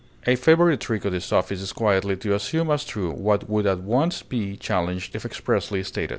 A favorite trick of the sophist is quietly to assume as true what would at once be challenged if expressly stated.